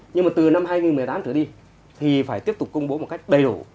nhưng mà từ năm hai nghìn một mươi tám trở đi thì phải tiếp tục công bố một cách đầy đủ